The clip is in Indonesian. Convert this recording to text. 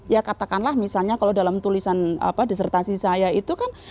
ya katakanlah misalnya kalau dalam tulisan disertasi saya itu kan